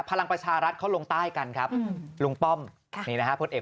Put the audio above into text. พลังประชารัฐเขาลงใต้กันครับลุงป้อมค่ะนี่นะฮะพลเอก